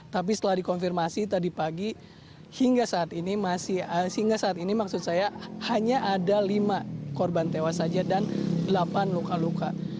tapi setelah dikonfirmasi tadi pagi hingga saat ini maksud saya hanya ada lima korban tewas saja dan delapan luka luka